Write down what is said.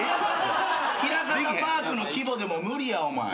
ひらかたパークの規模でも無理やお前。